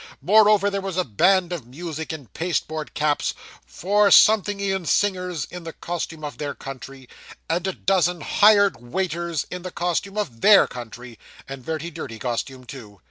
Moreover, there was a band of music in pasteboard caps; four something ean singers in the costume of their country, and a dozen hired waiters in the costume of _their _country and very dirty costume too.